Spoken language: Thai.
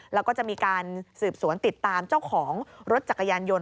แล้วก็จะมีการสืบสวนติดตามเจ้าของรถจักรยานยนต